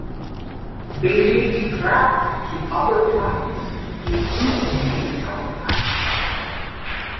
They may be drafted to other packs, including minkhound packs.